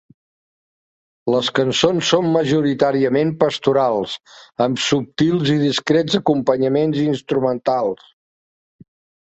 Les cançons són majoritàriament pastorals, amb subtils i discrets acompanyaments instrumentals.